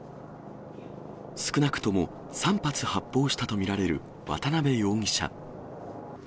少なくとも３発発砲したと見られる渡辺容疑者。